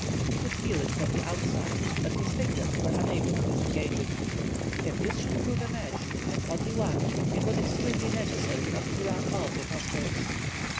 He could feel it from the outside, but his fingers were unable to disengage it. If this should prove a match, and only one, it was extremely necessary not to rub off the phosphorus.